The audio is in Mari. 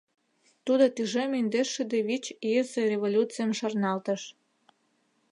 Тудо тӱжем индеш шӱдӧ вич ийысе революцийым шарналтыш.